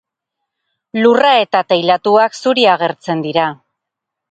Lurra eta teilatuak zuri agertzen dira.